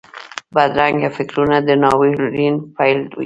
بدرنګه فکرونه د ناورین پیل وي